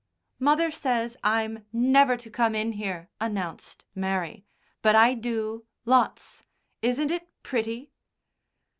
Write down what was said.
"Mother says I'm never to come in here," announced Mary. "But I do lots. Isn't it pretty?"